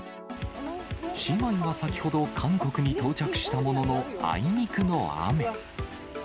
姉妹は先ほど、韓国に到着したものの、あいにくの雨。